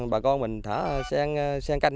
bà con mình thả sen canh